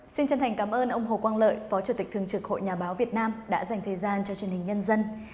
xin chân thành cảm ơn ông hồ quang lợi phó chủ tịch thường trực hội nhà báo việt nam đã dành thời gian cho truyền hình nhân dân